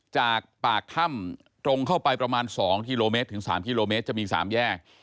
จากปากถ้ำตรงเข้าไปประมาณ๒กิโลเมตรถึง๓กิโลเมตรจะมี๓แยก